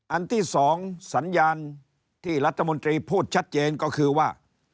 อันที่๒สัญญาณที่รัฐมนตรีพูดชัดเจนก็คือว่า